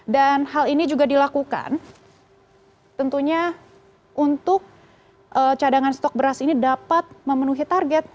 dan hal ini juga dilakukan tentunya untuk cadangan stok beras ini dapat memenuhi target